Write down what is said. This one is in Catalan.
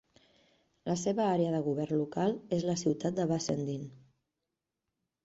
La seva àrea de govern local és la ciutat de Bassendean.